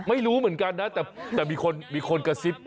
ไม่รู้เหมือนกันนะแต่มีคนกระซิบ